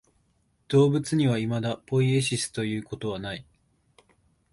動物にはいまだポイエシスということはない。